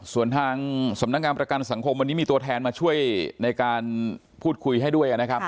ส่วนทางสำนักงานประกันสังคมวันนี้มีตัวแทนมาช่วยในการพูดคุยให้ด้วยนะครับ